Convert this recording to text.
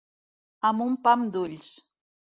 Amb un pam d'ulls.